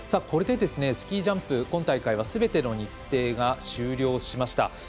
これで、スキー・ジャンプ今大会はすべての日程が終了しました。